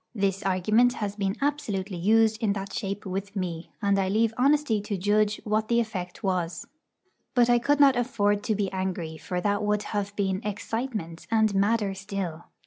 This argument has been absolutely used in that shape with me; and I leave honesty to judge what the effect was. But I could not afford to be angry, for that would have been 'excitement' and madder still.